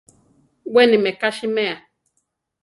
Weni meká siméa.